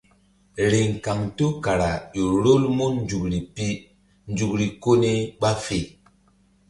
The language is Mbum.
Riŋ kaŋto kara ƴo rol mun nzukri pi nzukri ko ni ɓa fe.